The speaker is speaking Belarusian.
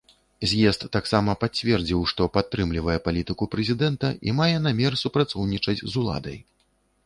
З'езд таксама пацвердзіў, што падтрымлівае палітыку прэзідэнта і мае намер супрацоўнічаць з уладай.